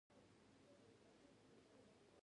دوی ښکلي لوښي جوړوي.